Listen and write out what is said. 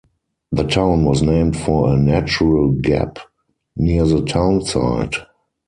The town was named for a natural gap near the town site.